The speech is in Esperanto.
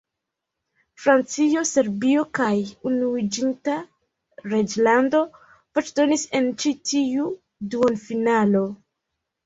Francio, Serbio kaj Unuiĝinta Reĝlando voĉdonis en ĉi tiu duonfinalo.